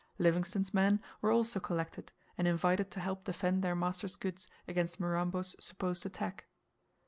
Livingstone's men were also collected, and invited to help defend their master's goods against Mirambo's supposed attack.